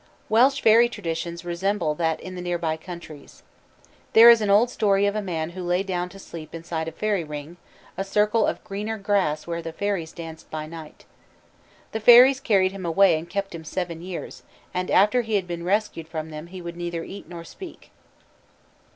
Welsh fairy tradition resembles that in the near by countries. There is an old story of a man who lay down to sleep inside a fairy ring, a circle of greener grass where the fairies danced by night. The fairies carried him away and kept him seven years, and after he had been rescued from them he would neither eat nor speak.